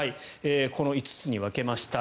この５つに分けました。